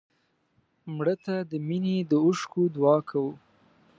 مړه ته د مینې د اوښکو دعا کوو